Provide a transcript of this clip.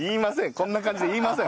こんな感じで言いません。